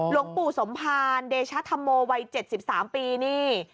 หลวงปู่สมภารเดชธรรมโมวัย๗๓ปีนี่